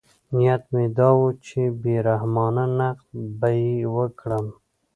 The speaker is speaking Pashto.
نیت مې دا و چې بې رحمانه نقد به یې وکړم.